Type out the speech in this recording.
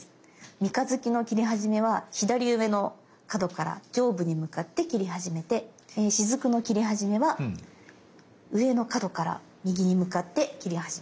三日月の切り始めは左上の角から上部に向かって切り始めてしずくの切り始めは上の角から右に向かって切り始めます。